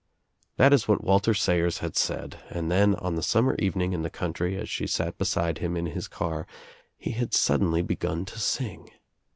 That Is what Walter Sayers had said and then on the summer evening in the country as she sat beside hira in his car he had suddenly begun to sing.